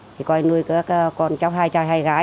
thì coi nuôi các con cháu hai cha hai gái